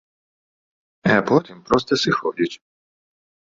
А потым проста сыходзіць.